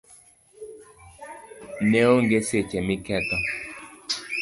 neonge seche miketho